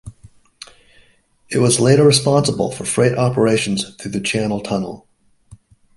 It was later responsible for freight operations through the Channel Tunnel.